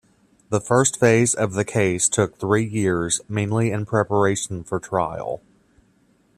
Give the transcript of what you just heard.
The first phase of the case took three years, mainly in preparation for trial.